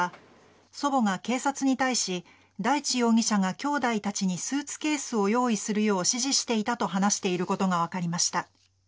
祖母が警察に対し大地容疑者がきょうだいたちにスーツケースを用意するよう指示していたと話していることが分かりました。